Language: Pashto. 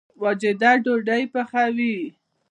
واجده ډوډۍ پخوي